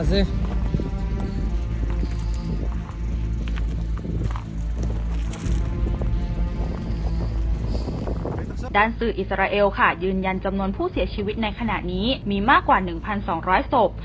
ภาษาอิสราเอลชาวที่อิสราเอลมารุงที้ก็ยืนยันว่าจำนวนผู้เสียชีวิตในขณะนี้มีมากกว่า๑๒๐๐ศพ